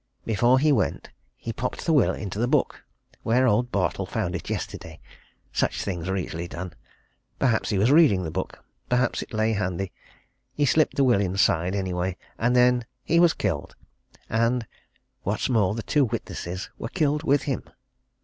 Before he went, he popped the will into the book, where old Bartle found it yesterday such things are easily done. Perhaps he was reading the book perhaps it lay handy he slipped the will inside, anyway. And then he was killed and, what's more the two witnesses were killed with him.